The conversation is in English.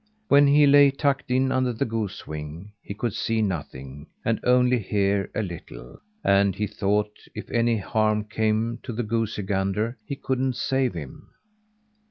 Where he lay tucked in under the goose wing he could see nothing, and only hear a little; and he thought if any harm came to the goosey gander, he couldn't save him.